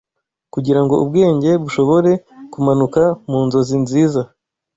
Kugira ngo ubwenge bushobore kumanuka mu nzozi nziza